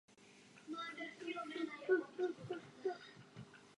Matematický algoritmus pak z výsledků testu vyhodnotí nejvhodnější partnery.